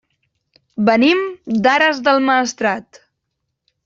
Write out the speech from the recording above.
Venim d'Ares del Maestrat.